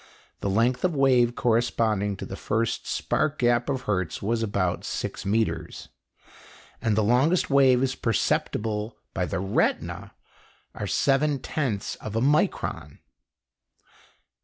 The length of wave corresponding to the first spark gap of Hertz was about 6 metres, and the longest waves perceptible by the retina are 7/10 of a micron.